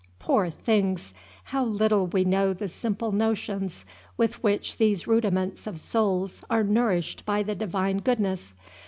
Poor things! How little we know the simple notions with which these rudiments of souls are nourished by the Divine Goodness!